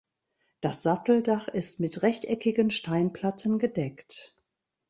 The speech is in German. Das Satteldach ist mit rechteckigen Steinplatten gedeckt.